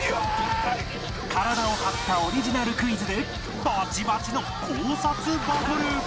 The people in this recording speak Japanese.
体を張ったオリジナルクイズでバチバチの考察バトル